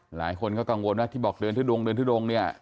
หลายคนก็กังวลว่าที่บอกเดินทุดงเดินทุดงเนี่ย